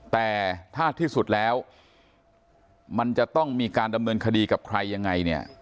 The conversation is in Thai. แต่ถ้าที่สุดแล้วมันจะต้องมีการดำเนินคดีกับใครยังไงเนี่ย